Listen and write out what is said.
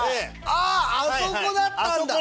ああそこだったんだ！